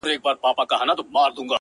• د ځناورو په خوني ځنگل کي ـ